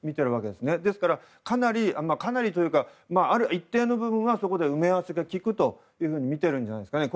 ですから、かなりというかある一定の部分はそこで埋め合わせがきくとみているんじゃないですかね。